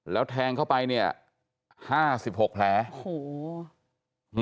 แล้วแทงเข้าไปเนี่ยห้าสิบหกแผลโอ้โห